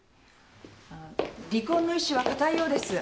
あぁ離婚の意志は固いようです。